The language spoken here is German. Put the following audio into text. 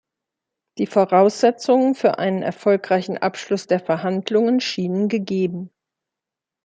Die Voraussetzungen für einen erfolgreichen Abschluss der Verhandlungen schienen gegeben.